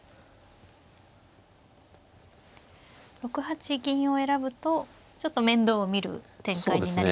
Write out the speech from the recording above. ６八銀を選ぶとちょっと面倒を見る展開になりますね。